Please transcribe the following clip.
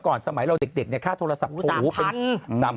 คนที่ได้ไม่ได้โทรศัพท์แม่